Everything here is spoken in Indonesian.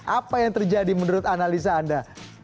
apa yang terjadi menurut analisa anda